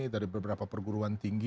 dari beberapa perguruan tinggi